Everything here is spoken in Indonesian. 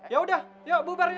yaudah yuk bubar ya